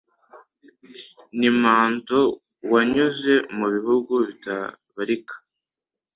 ni Manto wanyuze mu bihugu bitabarika